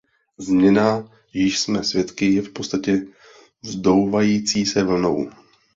Změna, jíž jsme svědky, je v podstatě vzdouvající se vlnou.